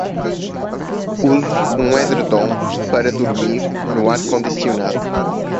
Use um edredom para dormir no ar condicionado